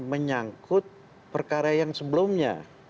menyangkut perkara yang sebelumnya